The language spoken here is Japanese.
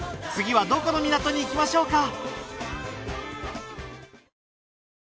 次はどこの港に行きましょうか？